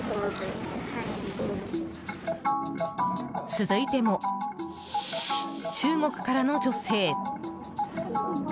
続いても中国からの女性。